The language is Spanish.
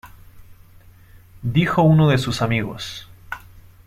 Dijo uno de sus amigos.